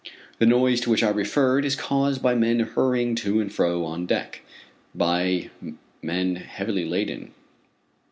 The noise to which I referred, is caused by men hurrying to and fro on deck by men heavily laden.